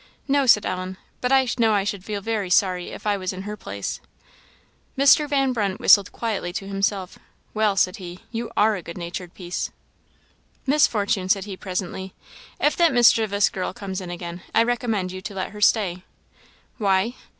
"No," said Ellen, "but I know I should feel very sorry if I was in her place." Mr. Van Brunt whistled quietly to himself. "Well!" said he, "you are a good natured piece." "Miss Fortune," said he, presently, "if that mischievous girl comes in again, I recommend you to let her stay." "Why?"